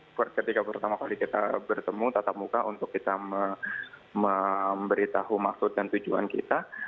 seperti ketika pertama kali kita bertemu tatap muka untuk kita memberitahu maksud dan tujuan kita